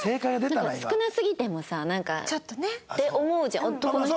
少なすぎてもさなんかって思うじゃん男の人特に。